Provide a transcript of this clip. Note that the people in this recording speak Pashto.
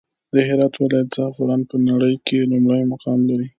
د هرات ولايت زعفران په نړى کې لومړى مقام لري.